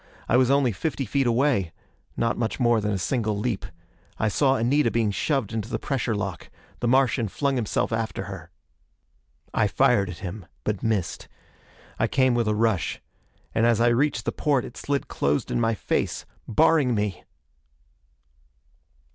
I was only fifty feet away not much more than a single leap. I saw Anita being shoved into the pressure lock. The Martian flung himself after her. I fired at him, but missed. I came with a rush. And as I reached the porte it slid closed in my face, barring me!